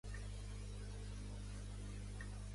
Carazo, però, va guanyar per KO en sis assalts.